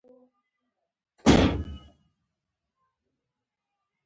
د پخوانیو خلکو له عقیدو څخه خبروي.